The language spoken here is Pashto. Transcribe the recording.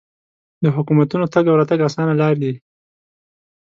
د حکومتونو تګ او راتګ اسانه لارې دي.